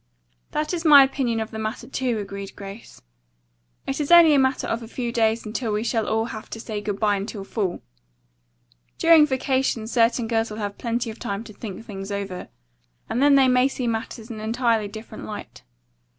"That is my opinion of the matter, too," agreed Grace. "It is only a matter of a few days until we shall all have to say good bye until fall. During vacation certain girls will have plenty of time to think things over, and then they may see matters in an entirely different light.